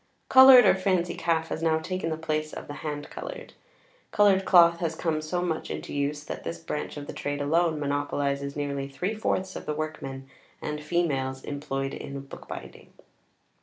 |xix| Coloured or fancy calf has now taken the place of the hand coloured. Coloured cloth has come so much into use, that this branch of the trade alone monopolizes nearly three fourths of the workmen and females employed in bookbinding.